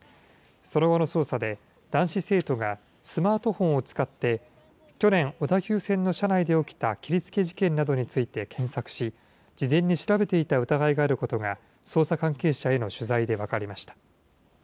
その後の捜査で男子生徒がスマートフォンを使って、去年、小田急線の車内で起きた切りつけ事件などについて検索し、事前に調べていた疑いがあることが捜査関係者への取材で分かりました。